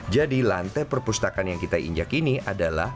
jadi lantai perpustakaan yang kita injak ini adalah